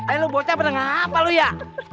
eh lu bocah bener ngapa lu ya